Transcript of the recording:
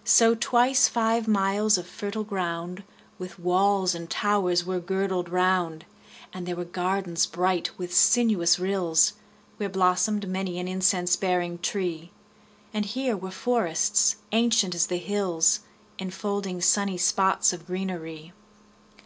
5 So twice five miles of fertile ground With walls and towers were girdled round: And there were gardens bright with sinuous rills Where blossom'd many an incense bearing tree; And here were forests ancient as the hills, 10 Enfolding sunny spots of greenery.